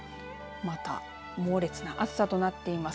また猛烈な暑さとなっています。